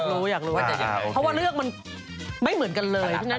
เพราะว่าเรื่องมันไม่เหมือนกันเลย